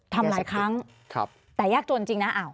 ทำหลายครั้งแต่ยากจนจริงนะ